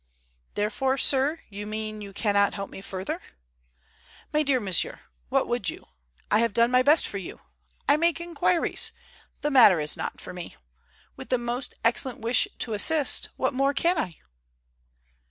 "Therefore, sir, you mean you cannot help further?" "My dear monsieur, what would you? I have done my best for you. I make inquiries. The matter is not for me. With the most excellent wish to assist, what more can I?"